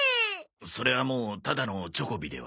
それはもうただのチョコビでは？